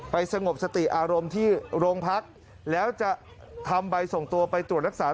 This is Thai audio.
สงบสติอารมณ์ที่โรงพักแล้วจะทำใบส่งตัวไปตรวจรักษา